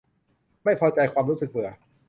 ไม่พอใจความรู้สึกเบื่อ